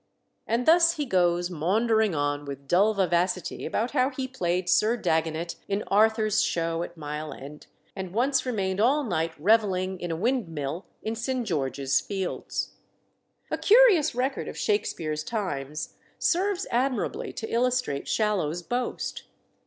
And thus he goes maundering on with dull vivacity about how he played Sir Dagonet in Arthur's Show at Mile End, and once remained all night revelling in a windmill in St. George's Fields. A curious record of Shakspere's times serves admirably to illustrate Shallow's boast.